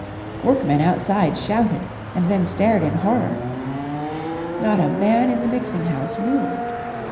Workmen outside shouted, and then stared in horror. Not a man in the mixing house moved.